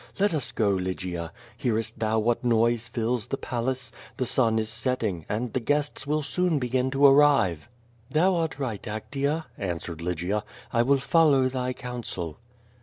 Let us go, Lygia. Hearest thou what noise fills the palace? The sun is setting, and the guests will soon begin to arrive." "Thou art right, Actea," answered Lygia. "I will follow thy counsel."